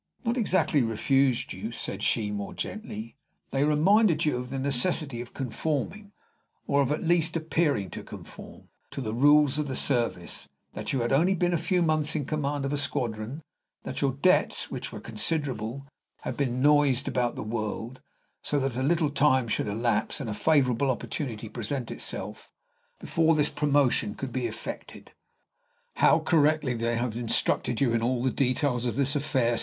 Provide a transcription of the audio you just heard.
"Not exactly refused you," said she, more gently. "They reminded you of the necessity of conforming of at least appearing to conform to the rules of the service; that you had only been a few months in command of a squadron; that your debts, which were considerable, had been noised about the world, so that a little time should elapse, and a favorable opportunity present itself, before this promotion could be effected." "How correctly they have instructed you in all the details of this affair!"